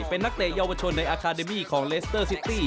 เป็นนักเตะเยาวชนในอาคาเดมี่ของเลสเตอร์ซิตี้